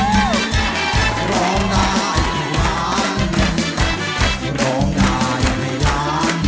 พอได้ครับเพลงที่๔รับไปเลยครับ